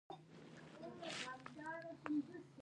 د زاړه ښار کوڅو ته ووتلم خو هغه دوکان بند و.